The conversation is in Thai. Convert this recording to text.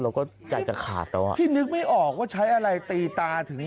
เราก็ใจจะขาดแล้วอ่ะพี่นึกไม่ออกว่าใช้อะไรตีตาถึง